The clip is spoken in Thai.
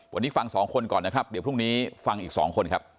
วันนี้ฟังสองคนก่อนนะครับเดี๋ยวพรุ่งนี้ฟังอีก๒คนครับ